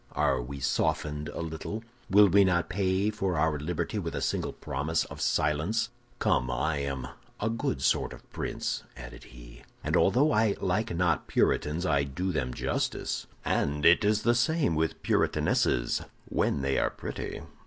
Are we softened a little? Will we not pay for our liberty with a single promise of silence? Come, I am a good sort of a prince,' added he, 'and although I like not Puritans I do them justice; and it is the same with Puritanesses, when they are pretty.